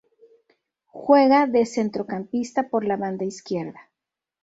Juega de centrocampista por la banda izquierda.